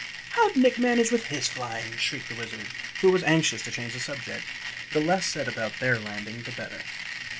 "How'd Nick manage with his flying?" shrieked the Wizard, who was anxious to change the subject. The less said about their landing the better.